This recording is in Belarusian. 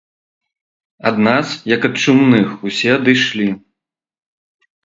Ад нас, як ад чумных, усе адышлі.